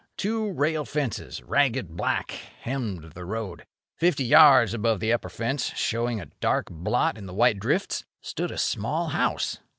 Two rail fences, ragged black, hemmed the road. Fifty yards above the upper fence, showing a dark blot in the white drifts, stood a small house.